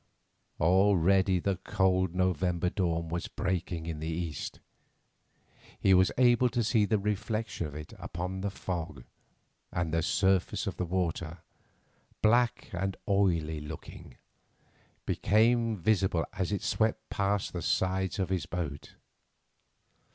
Already the cold November dawn was breaking in the east; he was able to see the reflection of it upon the fog, and the surface of the water, black and oily looking, became visible as it swept past the sides of his boat.